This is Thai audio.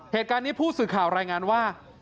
เหตุการณ์นี้ผู้สื่อข่าวรายงานว่า